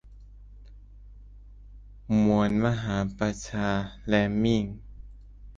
มวลมหาประชาเลมมิ่ง